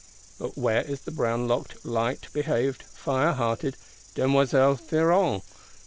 But where is the brown locked, light behaved, fire hearted Demoiselle Théroigne?